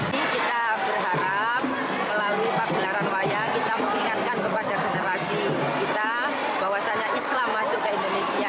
jadi kita berharap melalui panggilan wayang kita mengingatkan kepada generasi kita bahwasannya islam masuk ke indonesia